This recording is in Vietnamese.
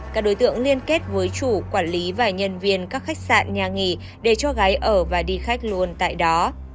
các đối tượng liên kết với chủ quản lý và nhân viên các khách sạn nhà nghỉ để cho gái ở và đi khách luôn tại đó